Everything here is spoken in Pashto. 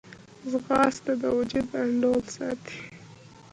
ځغاسته د وجود انډول ساتي